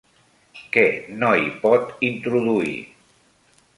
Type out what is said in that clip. Què no hi pot introduir?